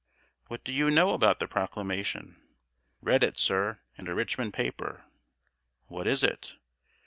"What do you know about the Proclamation?" "Read it, sir, in a Richmond paper." "What is it?"